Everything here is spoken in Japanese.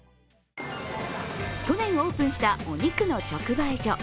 去年オープンしたお肉の直売所。